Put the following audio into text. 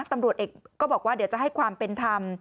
ตำรวจเอกก็บอกว่าเดี๋ยวจะให้ความเป็นธรรม